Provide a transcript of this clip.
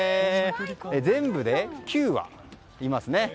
全部で９羽いますね。